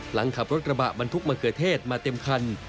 หลังขับรถกระบะบรรทุกมะเขือเทศมาเต็มคัน